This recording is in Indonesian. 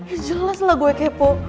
ya jelas lah gue kepo